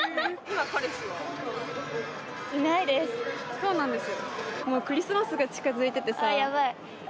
そうなんですよ。